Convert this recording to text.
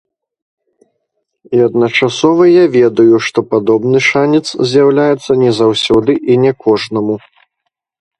І адначасова я ведаю, што падобны шанец з'яўляецца не заўсёды і не кожнаму.